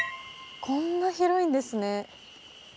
こんな広いんですね。